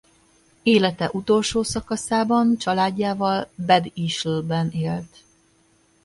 Élete utolsó szakaszában családjával Bad Ischlben élt.